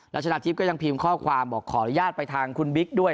ชนะทิพย์ก็ยังพิมพ์ข้อความบอกขออนุญาตไปทางคุณบิ๊กด้วย